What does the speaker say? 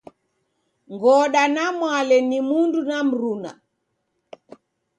Ngoda na Mwale ni mundu na mruna.